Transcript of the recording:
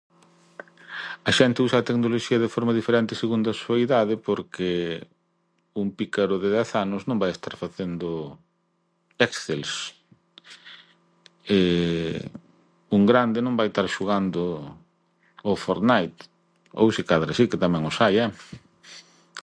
A xente usa a tecnoloxía de forma diferente segundo a súa idade porque un pícaro de dez anos non vai estar facendo excels, un grande non vai tar xogando ó fortnite ou se cadra si que tamén os hai, eh!